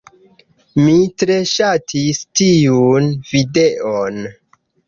Mi tre ŝatis tiun videon.